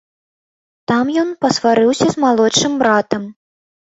Там ён пасварыўся з малодшым братам.